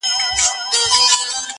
ژوند د درسونو مجموعه ده تل,